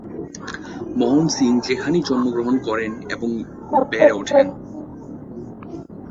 মোহন সিং সেখানেই জন্মগ্রহণ করেন এবং বেড়ে ওঠেন।